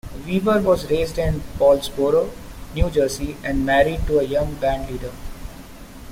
Weber was raised in Paulsboro, New Jersey and married to a young bandleader.